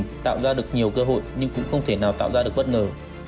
để tạo ra được nhiều cơ hội nhưng cũng không thể nào tạo ra được bất ngờ